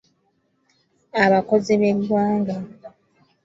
Abakozi b'eggwanga.